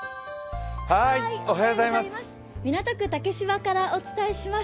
港区竹芝からお伝えします。